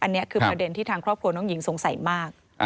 นี้คือประเด็นทุกอย่างที่ทางครอบครัวนองหญิงโสงสัยมาก